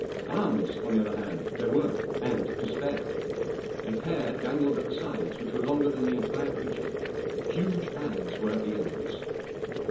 Arms, on the other hand, there were and to spare. A pair dangled at the sides which were longer than the entire creature. Huge hands were at the ends.